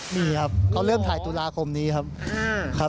มีครับเขาเริ่มถ่ายตุลาคมนี้ครับ